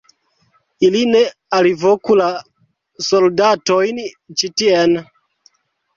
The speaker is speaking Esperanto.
ili ne alvoku la soldatojn ĉi tien!